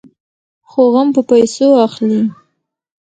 خو غم په پيسو اخلي.